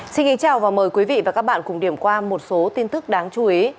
xin kính chào và mời quý vị và các bạn cùng điểm qua một số tin tức đáng chú ý